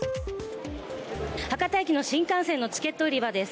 博多駅の新幹線のチケット売り場です。